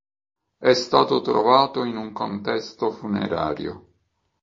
È stato trovato in un contesto funerario.